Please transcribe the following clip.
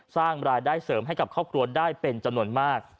สร้างรายได้เสริมให้กับครอบครัวได้เป็นจำนวนมาก